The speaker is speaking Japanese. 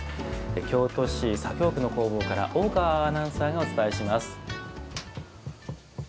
京都市左京区の工房から大川アナウンサーがお伝えします。